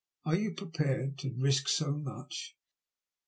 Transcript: Are you prepared to risk so much?"